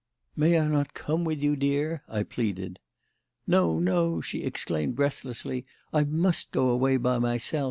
"May I not come with you, dear?" I pleaded. "No, no!" she exclaimed breathlessly; "I must go away by myself.